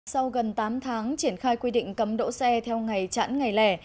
sau gần tám tháng triển khai quy định cấm đỗ xe theo ngày chẵn ngày lẻ